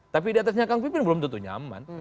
tapi di atasnya kang pipin belum tentu nyaman